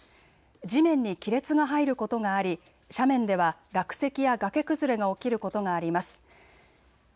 地面に亀裂が入ることがあり斜面では落石や崖崩れが起きることがあります。